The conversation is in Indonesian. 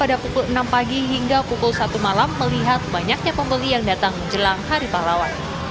pada pukul enam pagi hingga pukul satu malam melihat banyaknya pembeli yang datang jelang hari pahlawan